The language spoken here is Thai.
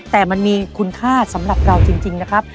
แต่มันมีคุณค่าสำหรับเราจริงนะครับ